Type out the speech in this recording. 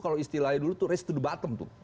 kalau istilahnya dulu tuh race to the bottom tuh